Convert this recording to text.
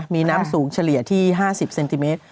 มีน้ำสูงเฉลี่ยที่๕๐เซนติเมตร